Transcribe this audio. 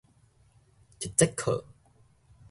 一節課